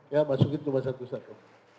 ya masukin cuma satu satu